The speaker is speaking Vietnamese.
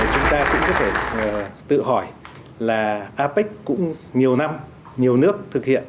chúng ta cũng có thể tự hỏi là apec cũng nhiều năm nhiều nước thực hiện